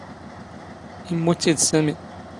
ⵉⵎⵎⵓⵜⵜⵉ ⴷ ⵙⴰⵎⵉ.